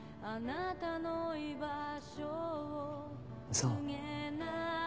そう。